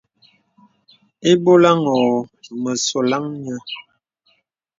Ìbɔlàŋ ɔ̄ɔ̄ mə sɔlaŋ nyɛ.